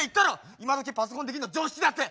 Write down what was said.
今どきパソコンできるの常識だって。